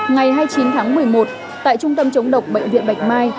ngày hai mươi chín tháng một mươi một tại trung tâm chống độc bệnh viện bạch mai